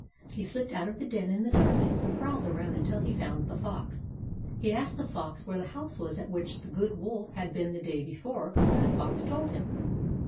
He slipped out of the den in the darkness, and prowled around till he found the Fox. He asked the Fox where the house was at which the Good Wolf had been the day be fore, and the Fox told him.